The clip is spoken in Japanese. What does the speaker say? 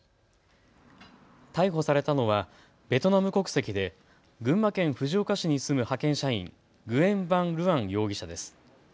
逮捕されたのはベトナム国籍で群馬県藤岡市に住む派遣社員、グエン・ヴァン・ルアン容疑者です。